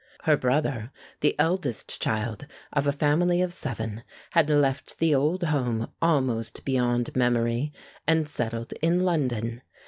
Her brother, the eldest child of a family of seven, had left the old home almost beyond memory, and settled in London.